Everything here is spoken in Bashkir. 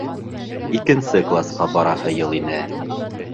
Икенсе класҡа бараһы йыл ине.